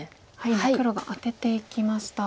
今黒がアテていきました。